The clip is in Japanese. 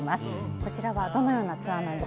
こちらはどのようなツアーですか。